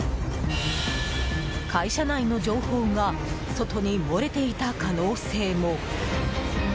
会社内の情報が外に漏れていた可能性も。